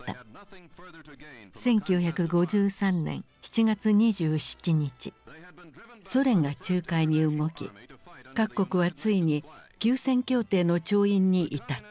１９５３年７月２７日ソ連が仲介に動き各国はついに休戦協定の調印に至った。